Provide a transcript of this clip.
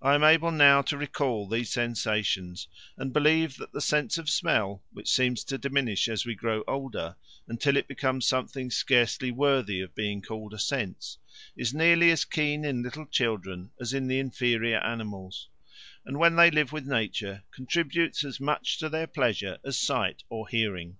I am able now to recall these sensations, and believe that the sense of smell, which seems to diminish as we grow older, until it becomes something scarcely worthy of being called a sense, is nearly as keen in little children as in the inferior animals, and, when they live with nature, contributes as much to their pleasure as sight or hearing.